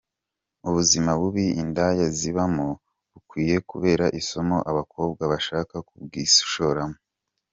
Ubuzima bubi indaya zibamo bukwiye kubera isomo abakobwa bashaka kubwishoramo.